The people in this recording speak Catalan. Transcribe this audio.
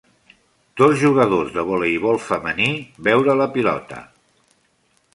Dos jugadors de voleibol femení veure la pilota